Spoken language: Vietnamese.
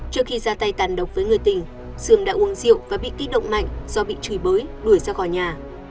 trước khi ra tay tàn độc với người tình sương đã uống rượu và bị kích động mạnh do bị chùi bới đuổi ra khỏi nhà